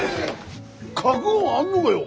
覚悟あんのがよ。